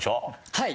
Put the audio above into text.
はい。